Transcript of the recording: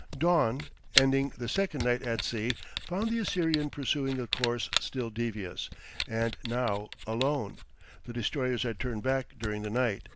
Dawn, ending the second night at sea, found the Assyrian pursuing a course still devious, and now alone; the destroyers had turned back during the night.